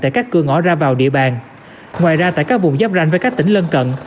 tại các cửa ngõ ra vào địa bàn ngoài ra tại các vùng giáp ranh với các tỉnh lân cận